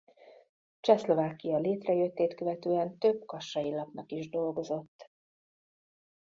Csehszlovákia létrejöttét követően több kassai lapnak is dolgozott.